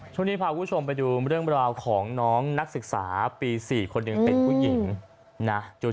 ช่วงนี้พาคุณผู้ชมไปดูเรื่องราวของน้องนักศึกษาปี๔คนหนึ่งเป็นผู้หญิงนะ